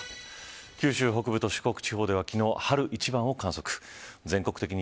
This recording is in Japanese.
九州北部と四国地方では昨日、春一番を観測。